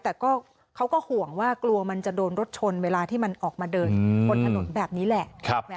แต่เขาก็ห่วงว่ากลัวมันจะโดนรถชนเวลาที่มันออกมาเดินบนถนนแบบนี้แหละ